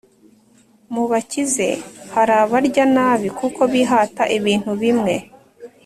mu bakize, hari abarya nabi kuko bihata ibintu bimwe